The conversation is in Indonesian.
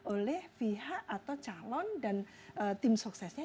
oleh pihak atau calon dan tim suksesnya